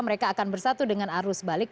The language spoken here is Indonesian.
mereka akan bersatu dengan arus balik